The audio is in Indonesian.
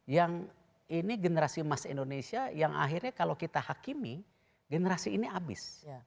yang ini generasi emas indonesia yang akhirnya kalau kita hakimi generasi ini habis